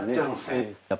えっ？